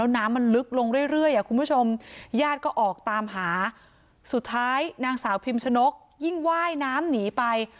น้ำมันลึกลงเรื่อยคุณผู้ชมญาติก็ออกตามหาสุดท้ายนางสาวพิมชนกยิ่งว่ายน้ำหนีไป